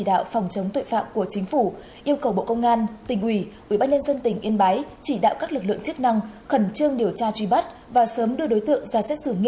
tại thôn một mươi sáu xã lâm giang huyện vân yên tỉnh yên báy xảy ra vụ án mạng làm chết bốn người trong một gia đình